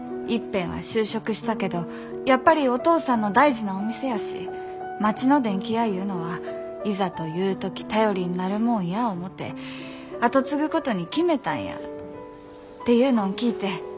いっぺんは就職したけどやっぱりお父さんの大事なお店やし町の電器屋いうのはいざという時頼りになるもんや思て後継ぐことに決めたんやっていうのん聞いて。